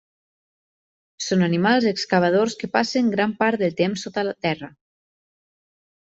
Són animals excavadors que passen gran part del temps sota terra.